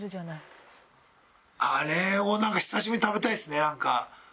あれを久しぶりに食べたいですねなんか。